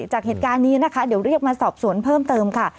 จากเหตุการณ์นี้นะคะเดี๋ยวเรียกมาสอบสวนเพิ่มเติมค่ะ